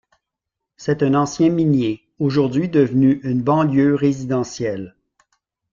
C'est un ancien minier, aujourd'hui devenu une banlieue résidentielle.